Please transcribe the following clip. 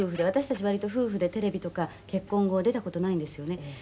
私たち割と夫婦でテレビとか結婚後出た事ないんですよね」